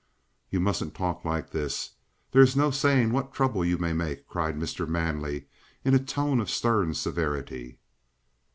"You mustn't talk like this! There's no saying what trouble you may make!" cried Mr. Manley in a tone of stern severity.